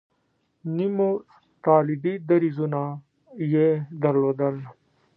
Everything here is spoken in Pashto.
نیمو طالبي دریځونه یې درلودل.